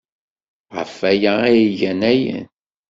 Ɣef waya ay gan ayen.